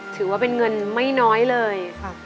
ถือว่าเป็นเงินไม่น้อยเลย